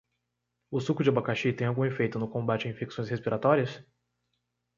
O suco de abacaxi tem algum efeito no combate a infecções respiratórias?